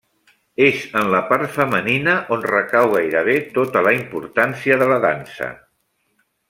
És en la part femenina on recau gairebé tota la importància de la dansa.